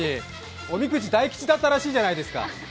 おみくじ、大吉だったらしいじゃないですか。